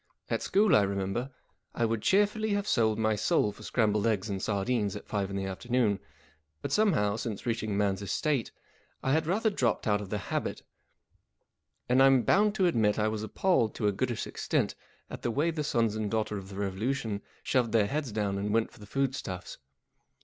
At school, I remember, I would cheerfully Digitized by CiOOQlC have sold my soul for scrambled eggs and sardines at five in the afternoon; but some¬ how, since reaching man's estate, 1 had rather dropped out of the habit; and I'm bound to admit I was appalled to a goodish extent at the way the sons and daughter of the Revolution shoved fheir heads down and went for the foodstuffs.